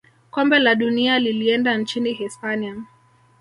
kombe la dunia lilienda nchini hispania